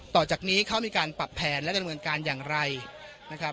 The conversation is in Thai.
ต่อจากนี้เขามีการปรับแผนและดำเนินการอย่างไรนะครับ